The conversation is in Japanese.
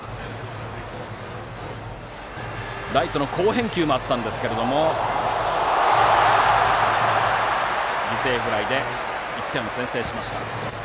ライトの好返球もあったんですが犠牲フライで１点を先制しました。